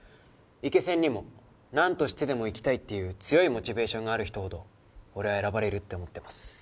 イケセンにもなんとしてでも行きたいっていう強いモチベーションがある人ほど俺は選ばれるって思ってます。